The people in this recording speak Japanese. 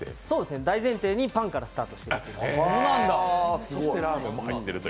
大前提にパンからスタートしていきました。